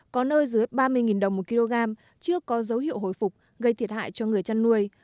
có nơi dưới ba mươi đồng một kg chưa có dấu hiệu hồi phục gây thiệt hại cho người chăn nuôi